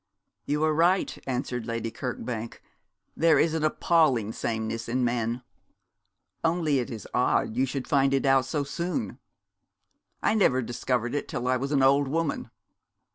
'You are right,' answered Lady Kirkbank, 'there is an appalling sameness in men: only it is odd you should find it out so soon. I never discovered it till I was an old woman.